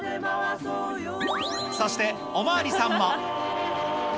そして、お巡りさんも。